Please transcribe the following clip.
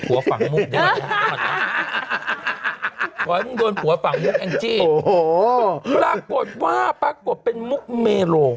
ขอให้มึงโดนหัวฝั่งมุกแองจีนปรากฏว่าปรากฏเป็นมุกเมโลก